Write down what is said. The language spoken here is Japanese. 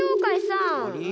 あれ？